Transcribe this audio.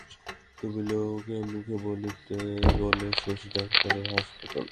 তবু লোকে মুখে বলিতে বলে, শশী ডাক্তারের হাসপাতাল।